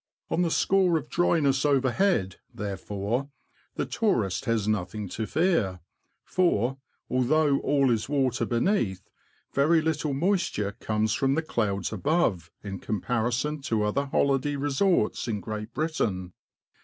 On the score of dryness overhead, B 2 4 THE LAND OF THE BROADS. therefore, the tourist has nothing to fear ; for, although all is water beneath, very little moisture comes from the clouds above, in comparison to other holiday re sorts in Great Britain.